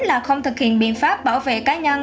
là không thực hiện biện pháp bảo vệ cá nhân